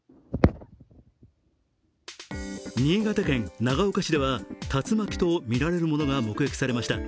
新潟県長岡市では竜巻とみられるものが目撃されました、